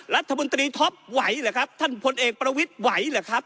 รัฐมนตรีท็อปไหวเหรอครับท่านพลเอกประวิทย์ไหวเหรอครับ